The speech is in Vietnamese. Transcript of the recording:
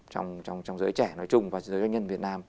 trong giới trẻ nói chung và giới doanh nhân việt nam